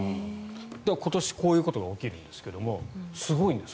今年、こういうことが起きるんですがすごいんです。